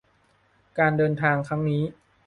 การเดินทางครั้งนี้